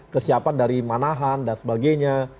kesiapan dari manahan dan sebagainya